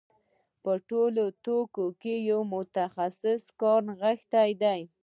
په ټولو توکو کې د یو متخصص کار نغښتی دی